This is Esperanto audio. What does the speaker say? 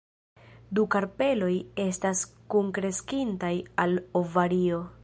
Du karpeloj estas kunkreskintaj al ovario.